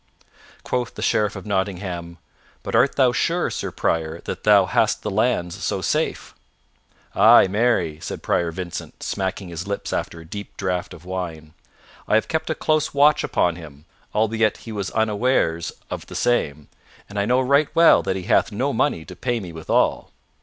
Quoth the Sheriff of Nottingham, "But art thou sure, Sir Prior, that thou hast the lands so safe?" "Ay, marry," said Prior Vincent, smacking his lips after a deep draught of wine, "I have kept a close watch upon him, albeit he was unawares of the same, and I know right well that he hath no money to pay me withal."